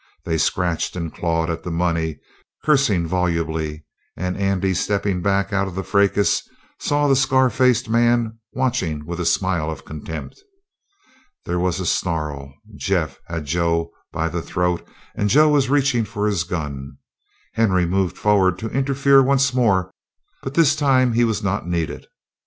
They scratched and clawed at the money, cursing volubly, and Andy, stepping back out of the fracas, saw the scar faced man watching with a smile of contempt. There was a snarl; Jeff had Joe by the throat, and Joe was reaching for his gun. Henry moved forward to interfere once more, but this time he was not needed.